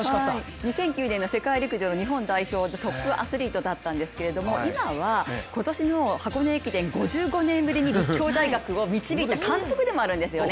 ２００９年の世界陸上の５０００ｍの代表でトップアスリートなんですけど今は、今年の箱根駅伝５５年ぶりに立教大学を導いた監督でもあるんですよね。